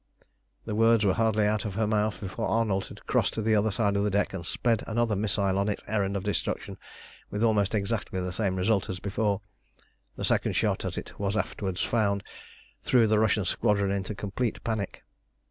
The words were hardly out of her mouth before Arnold had crossed to the other side of the deck and sped another missile on its errand of destruction with almost exactly the same result as before. This second shot, as it was afterwards found, threw the Russian squadron into complete panic.